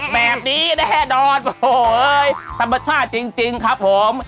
แบบนี้แน่นอนโอ้โหธรรมชาติจริงครับผม